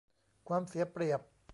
ความเสียเปรียบ